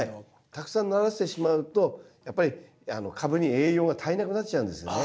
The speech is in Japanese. たくさんならせてしまうとやっぱり株に栄養が足りなくなっちゃうんですよね。